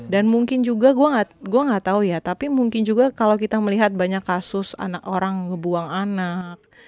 dan mungkin juga gue gak tau ya tapi mungkin juga kalau kita melihat banyak kasus orang ngebuang anak